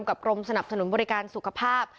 กรมสนับสนุนบริการสุขภาพ